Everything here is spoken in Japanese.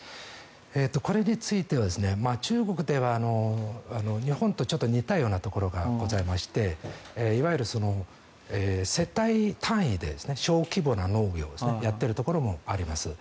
これについては中国では日本とちょっと似たようなところがございましていわゆる世帯単位で小規模な農業をやっているところもあります。